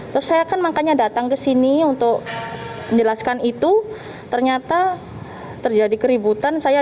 terus saya kan makanya datang ke sini untuk menjelaskan itu ternyata terjadi keributan saya